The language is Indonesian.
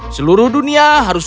seluruh dunia harus